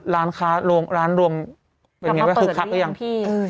ร้านค้าร้านรวมร้านรวมเป็นยังไงเปิดคับหรือยังพี่อืม